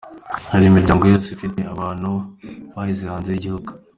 Hafi imiryango yose ifite abantu baheze hanze y’igihugu.